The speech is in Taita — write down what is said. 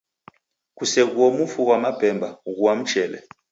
Kuseghuo mufu ghwa mapemba, ghua mchele.